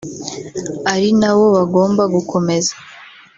ari nabo bagombaga gukomeza